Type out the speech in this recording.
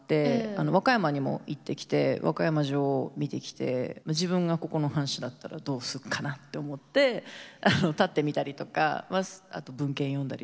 和歌山にも行ってきて和歌山城を見てきて自分がここの藩士だったらどうするかなと思って立ってみたりとかあと文献読んだりとか。